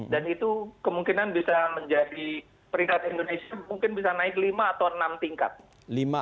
dan itu kemungkinan bisa menjadi peringkat indonesia mungkin bisa naik lima atau enam